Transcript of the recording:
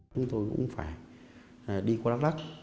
chúng tôi cũng phải đi qua đắk đắk